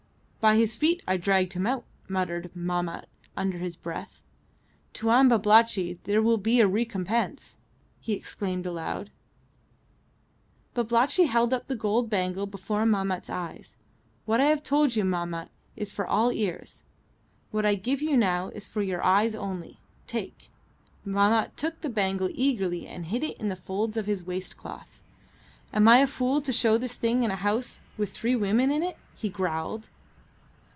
"By his feet I dragged him out," muttered Mahmat under his breath. "Tuan Babalatchi, there will be a recompense!" he exclaimed aloud. Babalatchi held up the gold bangle before Mahmat's eyes. "What I have told you, Mahmat, is for all ears. What I give you now is for your eyes only. Take." Mahmat took the bangle eagerly and hid it in the folds of his waist cloth. "Am I a fool to show this thing in a house with three women in it?" he growled.